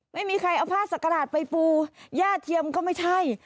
ไม่มีใครเอาผ้าสักกระดาษไปปูย่าเทียมก็ไม่ใช่